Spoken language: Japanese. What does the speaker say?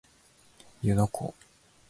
湯ノ湖